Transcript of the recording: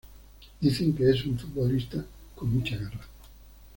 Dicen que es un futbolista con mucha garra.